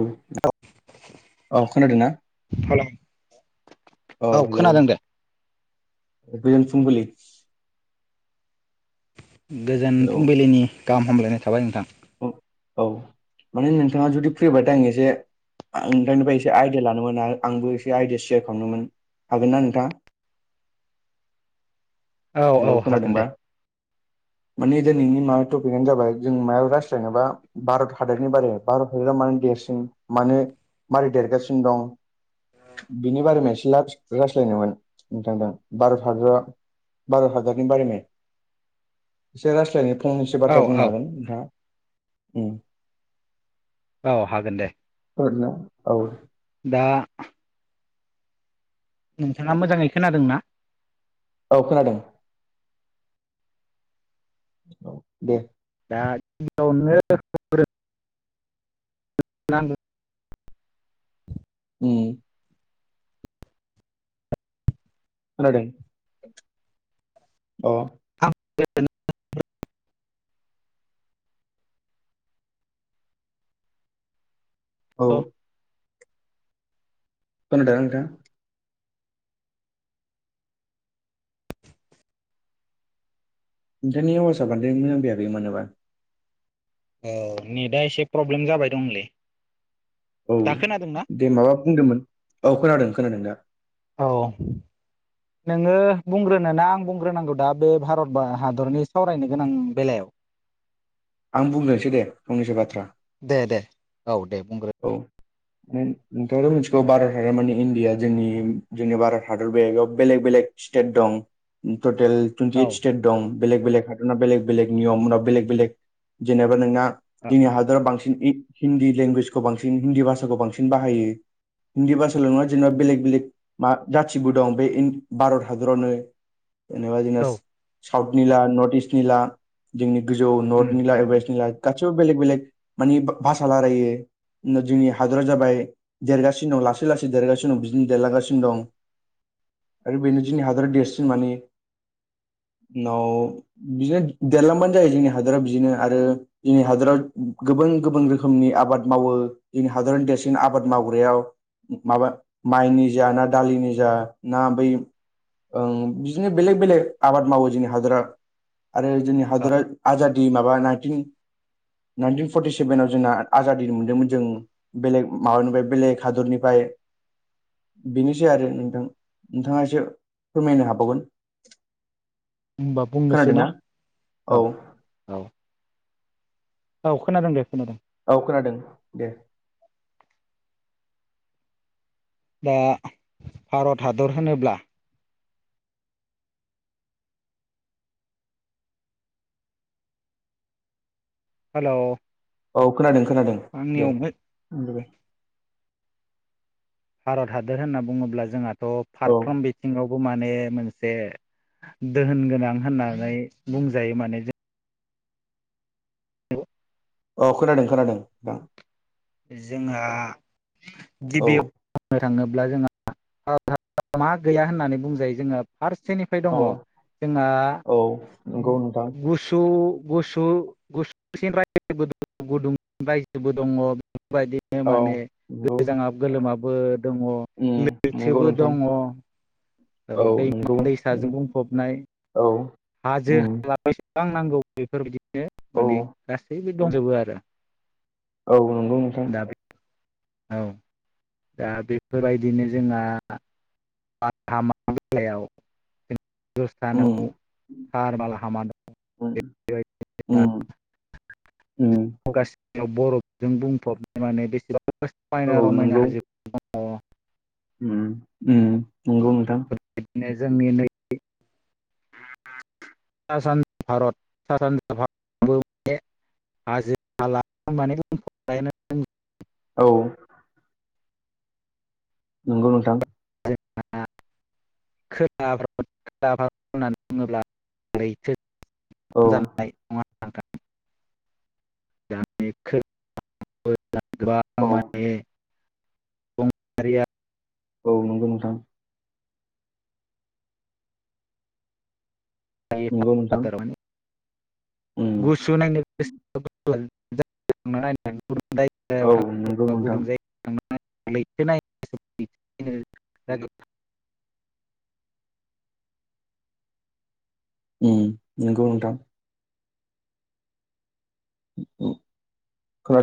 उ औ खोनादों ना? हेलौ अ औ हेलौ खोनादों दे गोजोन फुंबिलि। गोजोन हेलौ फुंबिलिनि गाहाम हामलायनाय थाबाय नोंथां। अ औ माने नोंथाङा जुदि फ्रिब्लाथाय आं एसे आं नोंथांनिफाय एसे आइदिया लानोना आ आंबो एसे आइडिया सेयार खालामनोमोन। हागोनना नोंथाङा? औ औ हेलौ हागोन खोनादोंबा दे माने दिनैनि मा टपिकआनो जाबाय जों मायाव रासि जेनेबा भारत हादरनि बारै भारत हादरा मानो देरसिन मानो मारै देरगासिनो दं? बिनि बारेमे एसे लास-लास्लायनोमोन नोंथां दा भारत हादोरा भारत हादोरनि बारायनाय एसे रायस्लायनो फंनैसो औ बाथ्रा औ बुंनो हागोन नोंथाङा। उम। अ हागोन दे। ओरैनो औ। दा नोंथाङा मोजाङै खोनादों ना? औ खोनादों। औ दे। दा गियावनो [unintelligible] उम। खोनादों अ। आं [unintelligible] औ। खोनादोंना ओंथां? नोंथांनि आवाजा बांद्राय मोजां फैयाखै मानोबा। ओ नेटआ एसे प्रब्लेम जाबाय दंलै। औ दा खोनादोंना दे माबा बुंदोंमोन? औ खोनादों खोनादों दा। औ। नोङो बुंग्रोनोना आं बुंग्रोनांगौ दा बे भारत बा हादरनि सावरायनो गोनां बेलायाव? आं बुंग्रोनसै दे फंनैसो बाथ्रा। दे दे औ दे बुंग्रो। औ। नो नोंथाङाथ' मिथिगौ भारत हादरमानि इण्डिया जोंनि जोंनि भारत हादरमायाव बेलेग बेलेग स्टेट दं टटेल टुइनटि औ एइड स्टेट दं। दं बेलेग बेलेग हादरना बेलेग बेलेग नियम उनाव बेलेग बेलेग जेनेबा नोंना औ जोंनि हादराव बांसिन इ हिन्दी लेंगुवेज खौ बांसिन हिन्दी भाषाखौ बांसिन बाहायो। हिन्दी भाषाल' नङा जेनेबा बेलेग बेलेग मा जाथिबो दं बे इन भारत हादरावनो। जेनेबा औ जों साउथ नि ला नर्थ इस्टनि ला जोंनि गोजौ नर्थनि ला वेस्टनि ला गासिबो बेलेग बेलेग मानि भा-भाषा लारायो। न जोंनि हादरा जाबाय देरगासिनो दं लासै लासै देरगासिनो दं बिदिनो देरलांगासिनो दं। आरो बेनो जोंनि हादरा देरसिन माने न' बिदिनो देरलांबानो जायो जोंनि हादोरा बिदिनो आरो जोंनि हादराव गोबां गुबबुन रोखोमनि आबाद मावो। जोंनि हादरनि देरसिन आबाद मावग्रायाव। माबा माइनि जा ना दालिनि जा ना बै ओं बिदिनो बेलेग बेलेग आबाद मावो जोंनि हादरा। आरो जोंनि हादरा आजादि माबा नाइनटिन नाइनटिन फरटि सेभेनाव जोंना आजाद मोनदोंमोन जों बेलेग माबानिफ्राय बेलेग हादरनिफ्राय बेनोसै आरो नोंथां नोंथाङा एसे फोरमायनो हाबावगोन। होनबा बुंनोसै खोनादोंना ना औ औ। औ खोनादों दे खोनादों। औ खोनादों दे। दा भारत हादर होनोब्ला हेलौ। औ खोनादों खोनादों। आंनियावमोन। उम। भारत हादोर होनना बुङोब्ला जोंहाथ' औ फारफ्रोम बिथिंआवबो माने मोनसे दहोन गोनां होननानै बुंजायो माने। औ खोनादों खोनादों थां। जोंहा गिबियाव बुंनो थाङोब्ला जोंहा मा गैया होननानै बुंजायो जोङो फार्सेनिफ्राय दङ औ जोंहा औ नंगौ नोंथां [inaudible] गुसु गुसु गुसुसि रायजोबो दङ गुदुं रायजोबो दङ बेफोरबायदि। बो औ माने नंगौ गोजाङाबो गोलोमाबो दङ उम नंगौ लैथोबो नोंथां दङ। औ दैमा नंगौ दैसाजों बुंफबनाय [inaudible] औ। हाजो उम हाला बेसेबां नांगौ बेफोरबायदिनो औ माने गासैबो दंजोबो आरो। औ नंगौ। नोंथां दायो औ। दा बेफोरबायदिनो जोंहा उम [unintelligible] उम [inaudible] उम [inaudible] उम। गासियाव बर'फजों बुंफबनाय माने बेसेबां औ समायना रमायना नंगौ हाजो। दङ उम उम नंगौ नोंथां। बिदिनो जोंनि नै सा सानजा भारत सा सानजा भारत बे हाजो हालाखौ माने जोंहा औ। नंगौ नोंथां। खोना [unintelligible] खोना होननानै बुङोब्ला औ औ [unintelligible] [unintelligible] [unintelligible] औ नंगौ नोंथां। नंगौ नोंथां [unintelligible] उम गुसु नायनो गोसो [unintelligible] थां नाय [unintelligible] जायगायाव औ नंगौ थां नोंथां गुदुं जायो [unintelligible] उम नंगौ नोंथां। औ।